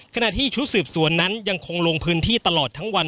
ขณะที่ชุดสืบสวนนั้นยังคงลงพื้นที่ตลอดทั้งวัน